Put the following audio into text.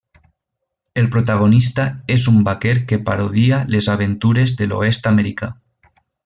El protagonista és un vaquer que parodia les aventures de l'oest americà.